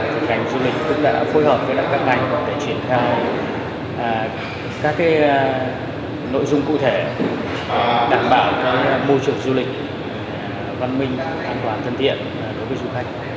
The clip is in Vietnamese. chúng tôi cũng đã phối hợp với các ngành để truyền thao các nội dung cụ thể đảm bảo môi trường du lịch văn minh an toàn thân thiện